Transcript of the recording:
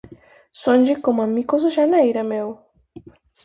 Sonlle coma micos á xaneira, meu!